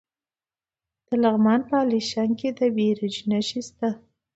د لغمان په الیشنګ کې د بیروج نښې شته.